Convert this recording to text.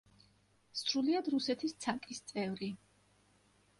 სრულიად რუსეთის ცაკის წევრი.